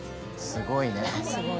すごいね。